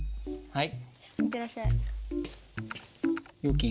はい。